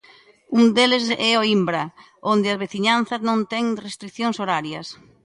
Un deles é Oímbra, onde a veciñanza non ten restricións horarias.